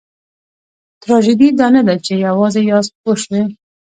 تراژیدي دا نه ده چې یوازې یاست پوه شوې!.